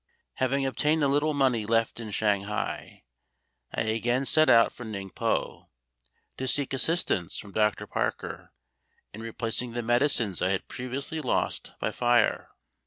Having obtained the little money left in Shanghai, I again set out for Ningpo, to seek assistance from Dr. Parker in replacing the medicines I had previously lost by fire.